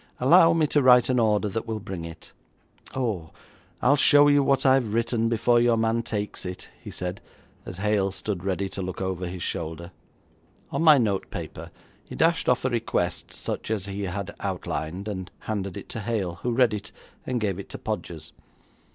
Allow me to write an order that will bring it. Oh, I'll show you what I have written before your man takes it,' he said, as Hale stood ready to look over his shoulder. On my notepaper he dashed off a request such as he had outlined, and handed it to Hale, who read it and gave it to Podgers.